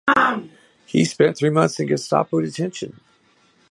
He spent three months in Gestapo detention.